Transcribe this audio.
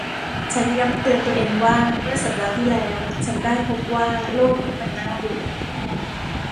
ฉันย้ำเตือนตัวเองว่าเมื่อสัปดาห์ที่แล้วฉันได้พบว่าโลกนี้มันน่าเบื่อ